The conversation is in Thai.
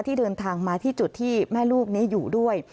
ที่เดินทางมาที่จุดที่แม่ลูกนี้อยู่ด้วย